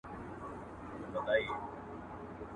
اور او اوبه نه سره يو ځاى کېږي.